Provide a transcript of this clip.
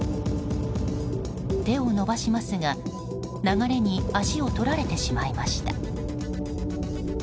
手を伸ばしますが流れに足を取られてしまいました。